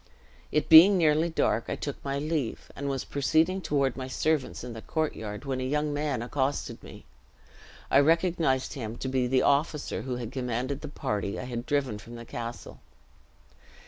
It being nearly dark, I took my leave, and was proceeding toward my servants in the courtyard when a young man accosted me. I recognized him to be the officer who had commanded the party I had driven from the castle.